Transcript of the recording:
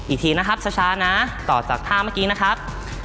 อีกทีนะครับช้านะต่อจากท่าเมื่อกี้นะครับ